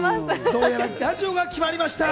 どうやらラジオが決まりました。